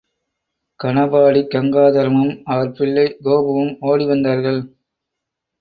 கனபாடி கங்காதரமும் அவர் பிள்ளை கோபுவும் ஓடி வந்தார்கள்.